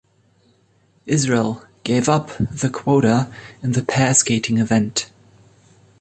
Israel gave up the quota in the Pair Skating event.